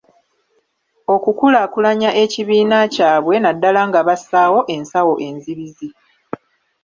Okukulaakulanya ekibiina kyabwe, naddala nga bassaawo ensawo enzibizi.